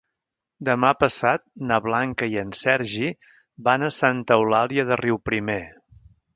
Demà passat na Blanca i en Sergi van a Santa Eulàlia de Riuprimer.